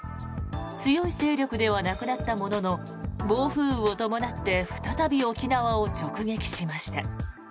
強い勢力ではなくなったものの暴風雨を伴って再び沖縄を直撃しました。